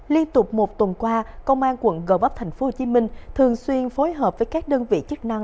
liên tục một tuần qua công an quận gò vấp tp hcm thường xuyên phối hợp với các đơn vị chức năng